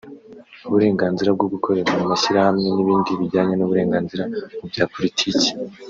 uburenganzira bwo gukorera mu mashyirahamwe n’ibindi bijyanye n’uburenganzira mu bya politiki